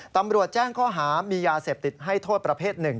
ตำรวจแจ้งข้อหามียาเสพติดให้โทษประเภทหนึ่ง